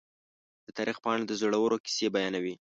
د تاریخ پاڼې د زړورو کیسې بیانوي.